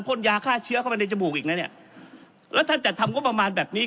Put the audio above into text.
ยาฆ่าเชื้อเข้าไปในจมูกอีกนะเนี่ยแล้วท่านจัดทำงบประมาณแบบนี้